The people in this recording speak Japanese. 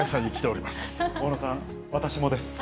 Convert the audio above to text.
大野さん、私もです。